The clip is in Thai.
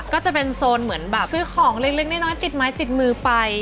ก็จะเป็นโซนเหมือนแบบซื้อของเล็กน้อยติดไม้ติดมือไป